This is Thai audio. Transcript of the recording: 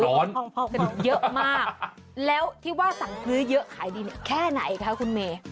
เยอะมากแล้วที่ว่าสั่งซื้อเยอะขายดีเนี่ยแค่ไหนคะคุณเมย์